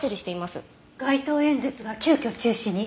街頭演説が急きょ中止に？